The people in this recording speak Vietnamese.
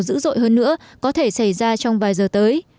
dữ dội hơn nữa có thể xảy ra trong vài giờ tới